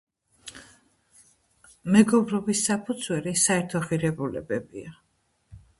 მეგობრობის საფუძველი საერთო ღირებულებებია.